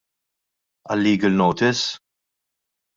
Għal-legal notice?